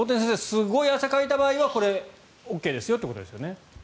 すごい汗をかいた場合はこれＯＫですよってことですよね。